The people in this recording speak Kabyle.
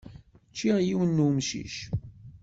Ččiɣ yiwen n umcic.